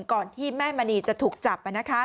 ก่อนที่แม่มณีจะถูกจับ